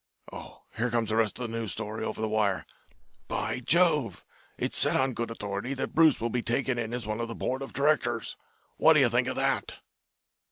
Oh, here comes the rest of the news story over the wire. By Jove, it is said on good authority that Bruce will be taken in as one of the board of directors. What do you think of that?"